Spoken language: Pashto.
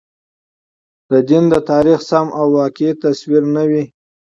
د دین د تاریخ سم او واقعي تصویر نه وي.